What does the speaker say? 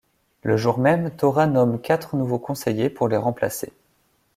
Le jour même, Torra nomme quatre nouveaux conseillers pour les remplacer.